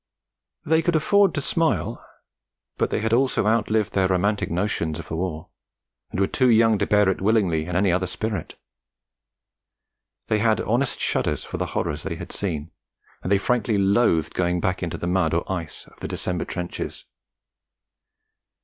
They could afford to smile; but they had also outlived their romantic notions of a war, and were too young to bear it willingly in any other spirit. They had honest shudders for the horrors they had seen, and they frankly loathed going back into the mud or ice of the December trenches.